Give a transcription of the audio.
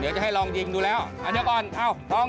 ทร้องให้ถอยก่อน